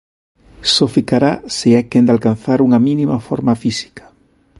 Só ficará se é quen de alcanzar unha mínima forma física.